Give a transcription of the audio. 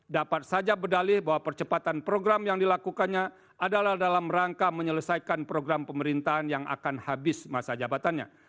dapat saja berdalih bahwa percepatan program yang dilakukannya adalah dalam rangka menyelesaikan program pemerintahan yang akan habis masa jabatannya